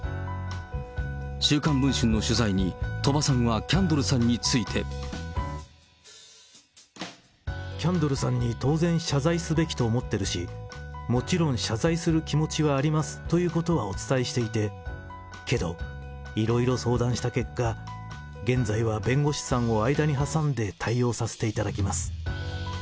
週刊文春の取材に、鳥羽さんはキャンドルさんについて。キャンドルさんに当然、謝罪すべきと思ってるし、もちろん謝罪する気持ちはありますということはお伝えしていて、けど、いろいろ相談した結果、現在は弁護士さんを間に挟んで対応させていただきます。